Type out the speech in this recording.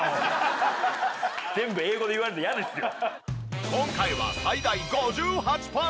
全部英語で言われるの嫌ですよ。